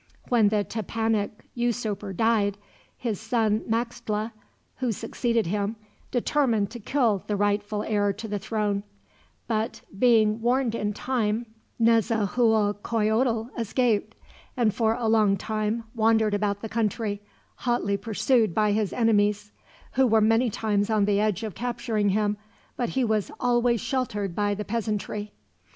When the Tepanec usurper died, his son Maxtla, who succeeded him, determined to kill the rightful heir to the throne; but being warned in time Nezahualcoyotl escaped, and for a long time wandered about the country, hotly pursued by his enemies; who were many times on the edge of capturing him, but he was always sheltered by the peasantry.